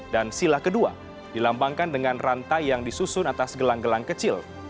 dan sila kedua dilambangkan dengan rantai yang disusun atas gelang gelang kecil